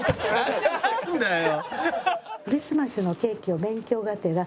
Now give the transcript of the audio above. なんだよ。